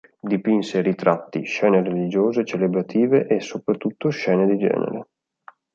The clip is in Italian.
Dipinse ritratti, scene religiose, celebrative e soprattutto scene di genere.